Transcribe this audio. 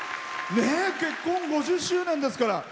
結婚５０周年ですから。